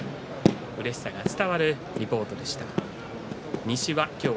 うれしさが伝わるリポートでした。